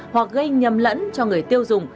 hoặc gây nhầm lẫn cho người tiêu dùng